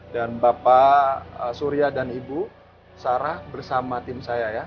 dan bapak surya dan ibu sarah bersama tim saya